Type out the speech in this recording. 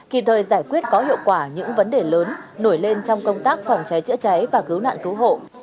kịp thời giải quyết có hiệu quả những vấn đề lớn nổi lên trong công tác phòng cháy chữa cháy và cứu nạn cứu hộ